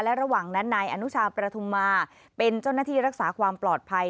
ระหว่างนั้นนายอนุชาประทุมมาเป็นเจ้าหน้าที่รักษาความปลอดภัย